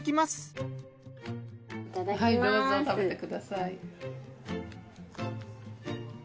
はいどうぞ食べてください。